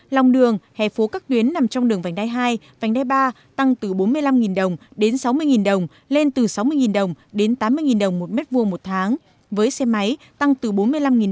lòng đường hè phố các tuyến nằm trong đường vành đai hai vành đai ba tăng từ bốn mươi năm đồng đến sáu mươi đồng lên từ sáu mươi đồng đến tám mươi đồng một m hai